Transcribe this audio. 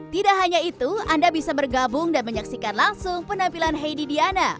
tidak hanya itu anda bisa bergabung dan menyaksikan langsung penampilan heidi diana